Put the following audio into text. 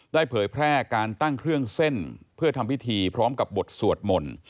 เผยแพร่การตั้งเครื่องเส้นเพื่อทำพิธีพร้อมกับบทสวดมนต์